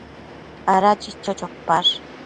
Ada chicho chopash ?